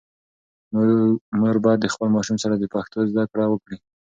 مور باید د خپل ماشوم سره د پښتو زده کړه وکړي.